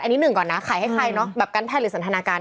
อันนี้หนึ่งก่อนนะขายให้ใครเนาะแบบการแพทย์หรือสันทนาการ